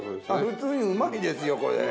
普通にうまいですよこれ。